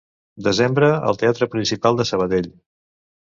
Desembre al Teatre Principal de Sabadell.